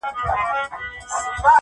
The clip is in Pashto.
چي له ما یې پاته کړی کلی کور دی-